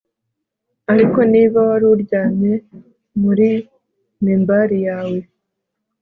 ariko niba wari uryamye muri mimbari yawe